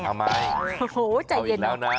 โอ้โหใจเย็นแล้ว